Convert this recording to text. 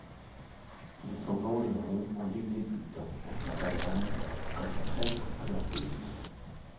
Ils s'en vengeront en l'exécutant, ainsi qu'Anan, comme traîtres à leur pays.